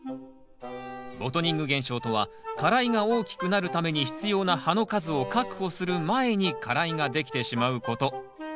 ボトニング現象とは花蕾が大きくなるために必要な葉の数を確保する前に花蕾ができてしまうこと。